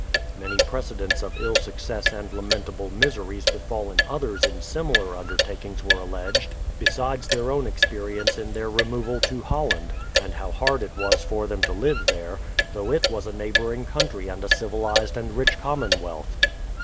Many precedents of ill success and lamentable miseries befallen others in similar undertakings were alleged, — ^besides their own experience in their removal to Holland, and how hard it was for them to live there, though it was a neighboring country and a civilized and rich commonwealth.